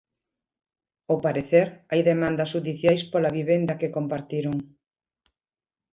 Ao parecer hai demandas xudiciais pola vivenda que compartiron.